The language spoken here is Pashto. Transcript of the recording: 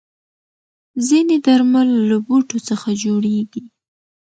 ځینې درمل له بوټو څخه جوړېږي.